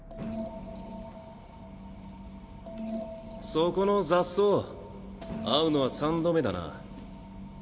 そこの雑草会うのは三度目だな。